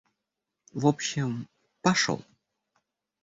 В общем, пошёл.